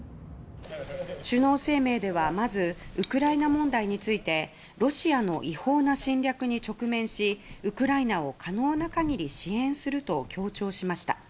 首脳声明ではまずウクライナ問題についてロシアの違法な侵略に直面しウクライナを可能な限り支援すると強調しました。